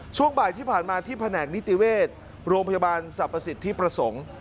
ช่วงบ่ายที่ผ่านมาที่แผนกนิติเวชโรงพยาบาลสรรพสิทธิประสงค์